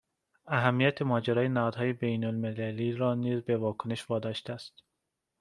اهمّیت ماجرا نهادهای بینالمللی را نیز به واکنش واداشته است